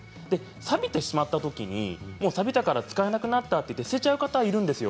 さびてしまったときにもう、さびて使えなくなったと捨ててしまう方がいるんですよ。